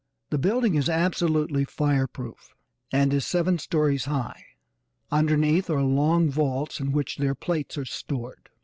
The building is absolutely fire proof, and is seven stories high. Underneath are long vaults in which their plates are stored.